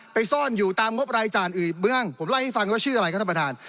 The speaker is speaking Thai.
ซ่อนอยู่ตามงบรายจ่ายอื่นเบื้องผมเล่าให้ฟังว่าชื่ออะไรครับท่านประธาน